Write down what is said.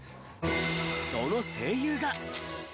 その声優が。